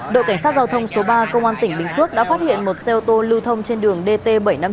đội cảnh sát giao thông số ba công an tỉnh bình phước đã phát hiện một xe ô tô lưu thông trên đường dt bảy trăm năm mươi chín